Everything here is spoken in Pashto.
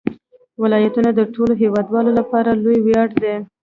ولایتونه د ټولو هیوادوالو لپاره لوی ویاړ دی.